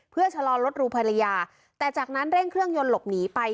เพื่อชะลอรถรูภรรยาแต่จากนั้นเร่งเครื่องยนต์หลบหนีไป